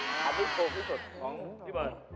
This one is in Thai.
อ๊าอันนี้สดสุดที่สุดของเจ๊เบิร์น